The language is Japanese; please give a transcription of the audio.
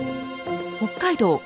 北海道